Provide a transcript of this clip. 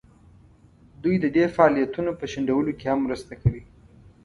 دوی د دې فعالیتونو په شنډولو کې هم مرسته کوي.